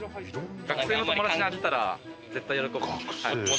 学生の友達にあげたら絶対喜ぶ。